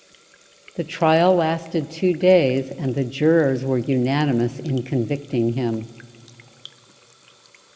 The trial lasted two days and the jurors were unanimous in convicting him.